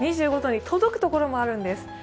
２５度に届くところもあるんです。